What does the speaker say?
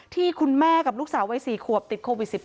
ที่คุณแม่กับลูกสาววัย๔ขวบติดโควิด๑๙